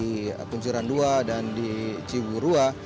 setelah saya survei di kunjiran dua dan di cibubur dua